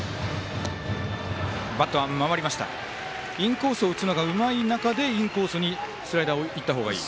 インコースを打つのがうまい中でインコースにスライダーをいった方がいい？